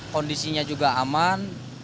kondisinya juga aman